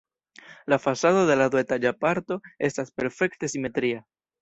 La fasado de la duetaĝa parto estas perfekte simetria.